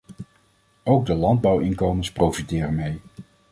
Ook de landbouwinkomens profiteren mee.